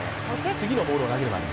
次のボールを投げるまで。